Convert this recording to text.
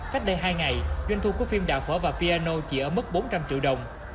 cách đây hai ngày doanh thu của phim đào phở và piano chỉ ở mức bốn trăm linh triệu đồng